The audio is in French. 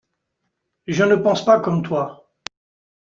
Je ne pense pas comme toi.